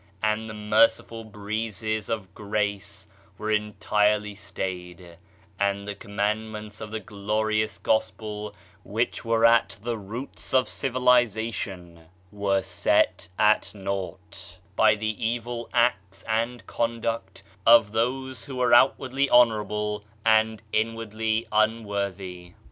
And the merciful breezes of grace were entirely stayed, and the commandments of the glorious Gospel, which were at the roots of civil ization, were set at naught by the evil acts and con duct of those who were outwardly honorable and inwardly unworthy.